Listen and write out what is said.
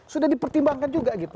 sudah dipertimbangkan juga